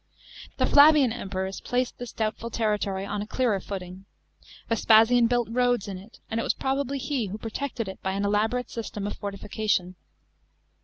The Flavian Emperors placed this doubtful territory on a clearer footing. Vespasian built roads in it, and it was probably he who protected it by an elaborate system of fortification.